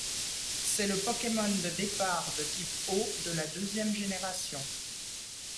C'est le Pokémon de départ de type Eau de la deuxième génération.